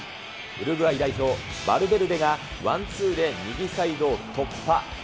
ウルグアイ代表、バルベルデが、ワンツーで右サイドを突破。